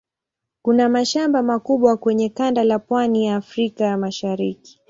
Kuna mashamba makubwa kwenye kanda la pwani ya Afrika ya Mashariki.